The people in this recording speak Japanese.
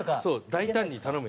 大胆に頼むよ。